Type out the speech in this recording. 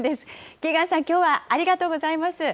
キーガンさん、きょうはありがとうございます。